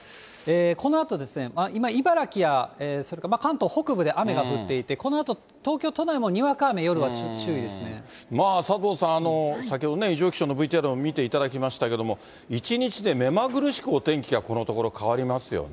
このあと、今、茨城やそれから関東北部で雨が降っていて、このあと東京都内もにわか雨、佐藤さん、先ほどね、異常気象のＶＴＲも見ていただきましたけれども、１日で目まぐるしくお天気がこのところ変わりますよね。